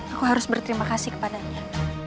aku harus berterima kasih kepadanya